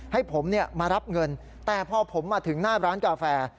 ให้ผมมารับเงินแต่พอผมมาถึงหน้าร้านกาแฟ